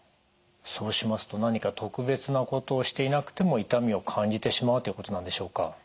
そうしますと何か特別なことをしていなくても痛みを感じてしまうということなんでしょうか？